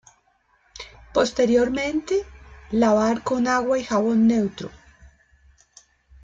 Posteriormente, lavar con agua y jabón neutro.